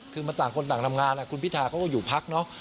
คือมันต่างคนต่างทำงานคุณพิธาเขาก็อยู่พักเนาะ